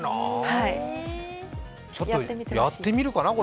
ちょっとやってみるかな、これ。